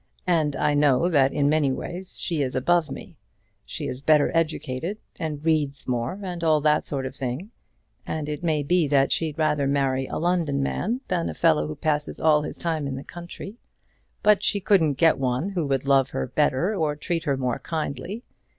And I know that in many ways she is above me. She is better educated, and reads more, and all that sort of thing. And it may be that she'd rather marry a London man than a fellow who passes all his time in the country. But she couldn't get one who would love her better or treat her more kindly.